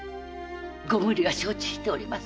ご無理は承知しております。